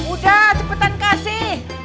udah cepetan kasih